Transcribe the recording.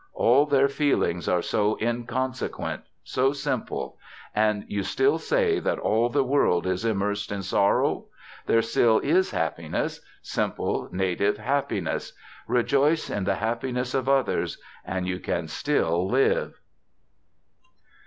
All their feelings are so inconsequent, so simple. And you still say that all the world is immersed in sorrow? There still is happiness, simple, native happiness. Rejoice in the happiness of others—and you can still live."